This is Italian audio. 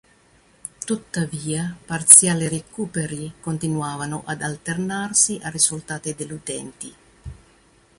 Tuttavia, parziali recuperi continuavano ad alternarsi a risultati deludenti.